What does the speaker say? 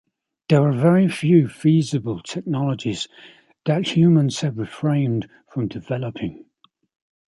There are very few feasible technologies that humans have refrained from developing.